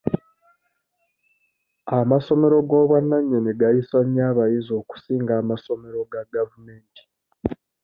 Amasomero g'obwannanyini gayisa nnyo abayizi okusinga amasomero ga gavumenti.